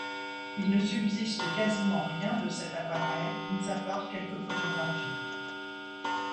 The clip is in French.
Il ne subsiste quasiment rien de cet appareil mis à part quelques photographies.